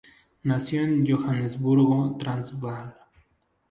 Nació en Johannesburgo, Transvaal.